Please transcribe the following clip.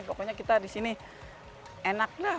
pokoknya kita di sini enak lah